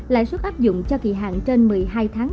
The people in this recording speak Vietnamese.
lãi suất áp dụng cho kỳ hạn trên một mươi hai tháng